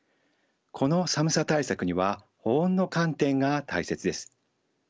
この寒さ対策には保温の観点が大切です。